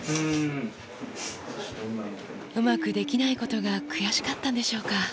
うまくできないことが悔しかったんでしょうか。